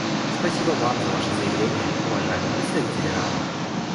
Спасибо Вам за Ваше заявление, уважаемый представитель Ирана.